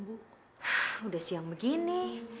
sudah siang begini